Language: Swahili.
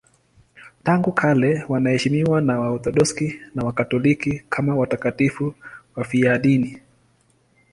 Tangu kale wanaheshimiwa na Waorthodoksi na Wakatoliki kama watakatifu wafiadini.